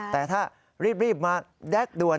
แต่ถ้ารีบมาแด๊กด่วน